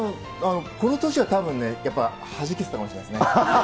この年はたぶんね、やっぱりはじけてたかもしれないですね。